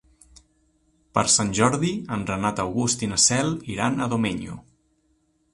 Per Sant Jordi en Renat August i na Cel iran a Domenyo.